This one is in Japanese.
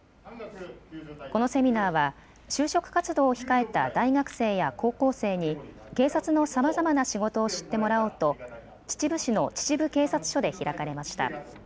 このセミナーは就職活動を控えた大学生や高校生に警察のさまざまな仕事を知ってもらおうと秩父市の秩父警察署で開かれました。